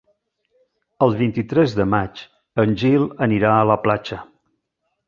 El vint-i-tres de maig en Gil anirà a la platja.